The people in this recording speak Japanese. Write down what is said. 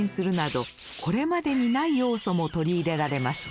これまでにない要素も取り入れられました。